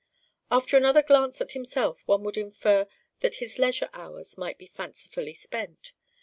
After another glance at himself one would infer that his leisure hours might be fancifully spent.